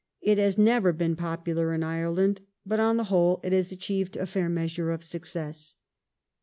It has never been popular in Ireland ; but on the whole it has achieved a fair measure of success.